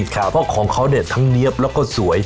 เพราะของเขาเนี่ยทั้งเนี๊ยบแล้วก็สวย